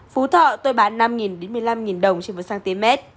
phú thọ tôi bán năm một mươi năm đồng trên một cm